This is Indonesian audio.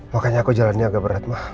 makanya aku jalannya agak berat mah